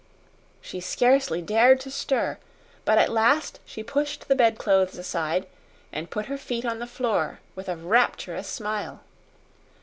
She scarcely dared to stir; but at last she pushed the bedclothes aside, and put her feet on the floor with a rapturous smile.